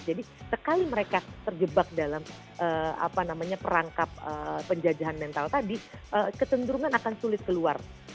jadi sekali mereka terjebak dalam apa namanya perangkap penjajahan mental tadi ketendrungan akan sulit keluar